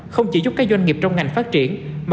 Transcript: không chỉ giúp các doanh nghiệp trong ngành phát triển mà